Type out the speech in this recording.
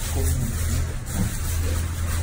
Como me sinto?